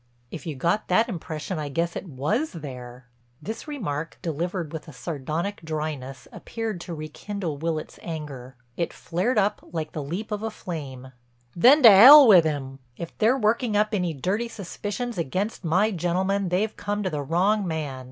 "If you got that impression I guess it was there." This remark, delivered with a sardonic dryness, appeared to rekindle Willitts' anger. It flared up like the leap of a flame: "Then to 'ell with 'im. If they're working up any dirty suspicions against my gentleman they've come to the wrong man.